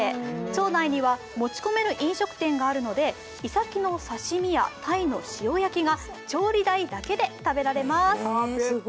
町内には持ち込める飲食店があるのでイサキの刺身や、タイの塩焼きが調理代だけで食べられます。